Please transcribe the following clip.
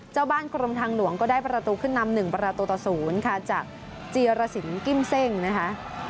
เจ้าบ้านกรมทางหลวงก็ได้ประตูขึ้นนำ๑ประตูต่อ๐ค่ะจากจีรสินกิ้มเซ่งนะคะ